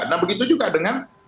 nah begitu juga dengan